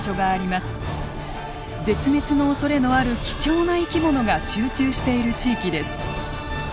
絶滅のおそれのある貴重な生き物が集中している地域です。